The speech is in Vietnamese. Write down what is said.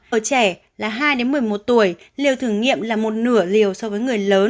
ở trẻ là hai một mươi một tuổi liều thử nghiệm là một nửa liều so với người lớn